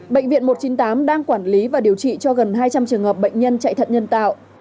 bệnh viện một trăm chín mươi tám đang quản lý và điều trị cho gần hai trăm linh trường hợp bệnh nhân chạy thận nhân tạo